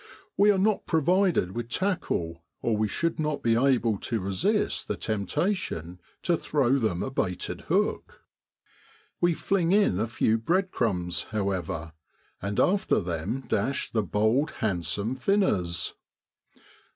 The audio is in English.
We are not provided with tackle or we should not be able to resist the temp tation to throw them a baited hook. We fling in a few bread crumbs, however, and after them dash the bold, handsome finners.